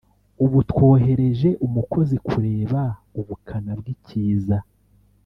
ubu twohereje umukozi kureba ubukana bw’ikiza